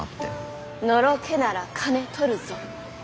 のろけなら金取るぞ。